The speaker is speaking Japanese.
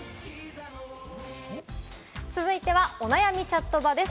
続いてはお悩みチャットバです。